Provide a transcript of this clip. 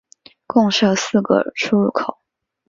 共设四个出入口。